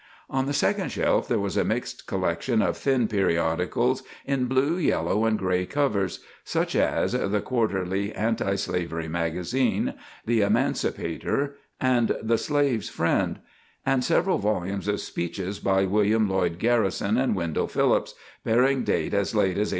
On the second shelf there was a mixed collection of thin periodicals in blue, yellow, and gray covers, such as "The Quarterly Anti Slavery Magazine," "The Emancipator," and "The Slave's Friend," and several volumes of speeches by William Lloyd Garrison and Wendell Phillips, bearing date as late as 1858.